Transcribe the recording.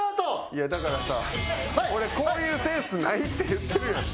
いやだからさ俺こういうセンスないって言ってるやん。